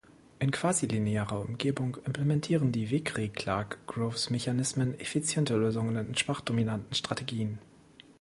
In quasi-linearer Umgebung implementieren die Vickrey-Clarke-Groves-Mechanismen effiziente Lösungen in schwach dominanten Strategien.